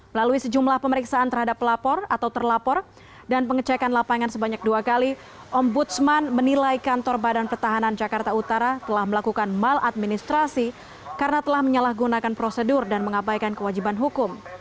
melalui sejumlah pemeriksaan terhadap pelapor atau terlapor dan pengecekan lapangan sebanyak dua kali ombudsman menilai kantor badan pertahanan jakarta utara telah melakukan maladministrasi karena telah menyalahgunakan prosedur dan mengabaikan kewajiban hukum